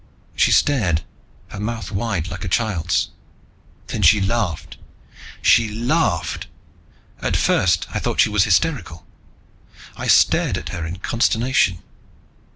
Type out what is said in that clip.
She stared, her mouth wide like a child's. Then she laughed. She laughed! At first I thought she was hysterical. I stared at her in consternation.